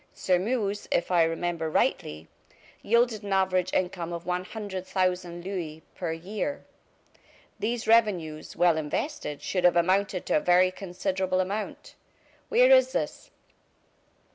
Sairmeuse, if I remember rightly, yielded an average income of one thousand louis per year. These revenues, well invested, should have amounted to a very considerable amount. Where is this?"